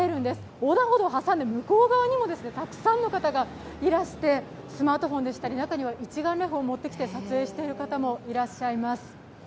横断歩道挟んで向こう側にもたくさんの方がいらしてスマートフォンでしたり中には一眼レフを持ってきて撮影している方もいらっしゃいます。